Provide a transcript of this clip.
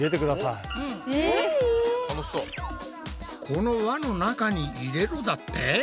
この輪の中に入れろだって？